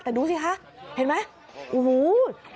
แต่ดูสิคะเห็นไหม